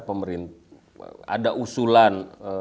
pemerintah ada usulan